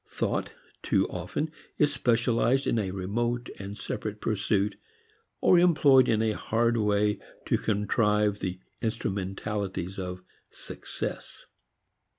Thought too often is specialized in a remote and separate pursuit, or employed in a hard way to contrive the instrumentalities of "success."